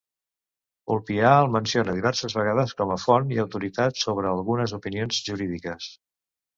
Ulpià el menciona diverses vegades com a font i autoritat sobre algunes opinions jurídiques.